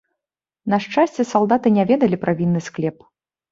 На шчасце, салдаты не ведалі пра вінны склеп.